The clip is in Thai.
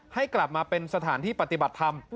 ให้กลับมาเป็นสถานที่ปฏิบัติธรรม